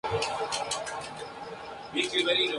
Fue su única defensa y su último combate en la elite del boxeo.